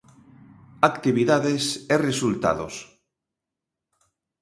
Actividades e resultados